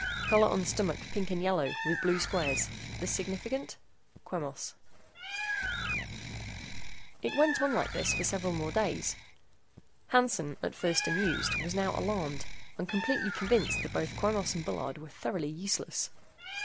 COLOR ON STOMACH PINK AND YELLOW WITH BLUE SQUARES. THIS SIGNIFICANT? QUEMOS It went on like this for several more days. Hansen, at first amused, was now alarmed and completely convinced that both Quemos and Bullard were thoroughly useless.